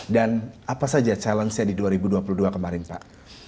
dan apa saja challenge nya di dua ribu dua puluh dua kemarin pak